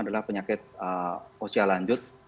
adalah penyakit usia lanjut